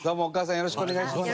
よろしくお願いします。